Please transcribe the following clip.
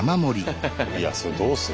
いやそれどうする。